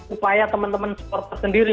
upaya teman teman supporter sendiri